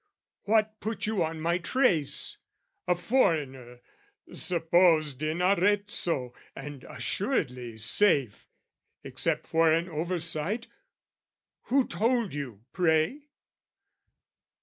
"What put you on my trace, a foreigner, "Supposed in Arezzo, and assuredly safe "Except for an oversight: who told you, pray?"